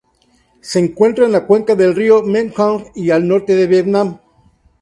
Se encuentra en la cuenca del río Mekong y al norte de Vietnam.